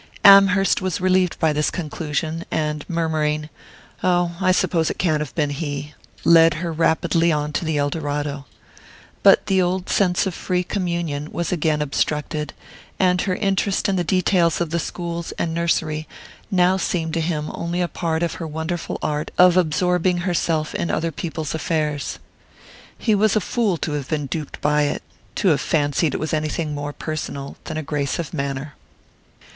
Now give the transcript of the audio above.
Amherst was relieved by this conclusion, and murmuring: "Oh, I suppose it can't have been he," led her rapidly on to the Eldorado. But the old sense of free communion was again obstructed, and her interest in the details of the schools and nursery now seemed to him only a part of her wonderful art of absorbing herself in other people's affairs. He was a fool to have been duped by it to have fancied it was anything more personal than a grace of manner.